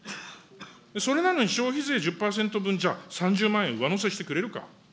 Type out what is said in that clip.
それなのに消費税１０％分、じゃあ、３０万円上乗せしてくれるか。